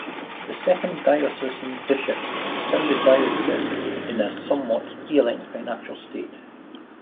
The second diocesan bishop found the diocese in a somewhat ailing financial state.